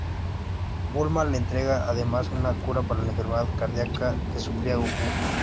Bulma le entrega además una cura para la enfermedad cardíaca que sufrirá Gokū.